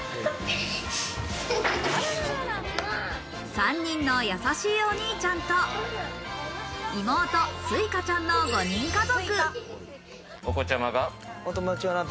３人のやさしいお兄ちゃんと、妹・すいかちゃんの５人家族。